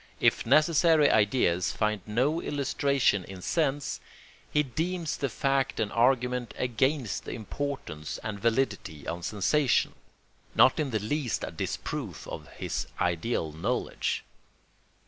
If necessary ideas find no illustration in sense, he deems the fact an argument against the importance and validity of sensation, not in the least a disproof of his ideal knowledge.